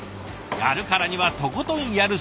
やるからにはとことんやる性格。